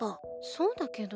そだけど。